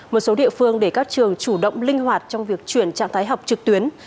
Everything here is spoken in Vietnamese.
một số địa phương để các trường chủ động linh hoạt trong việc chuyển trạng thái học trực tuyến